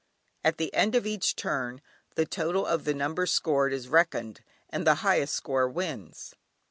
At the end of each turn the total of the numbers scored is reckoned, and the highest score wins.